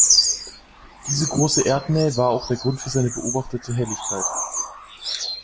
Diese große Erdnähe war auch der Grund für seine beobachtete Helligkeit.